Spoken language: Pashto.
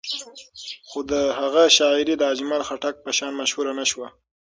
خو د هغه شاعري د اجمل خټک په شان مشهوره نه شوه.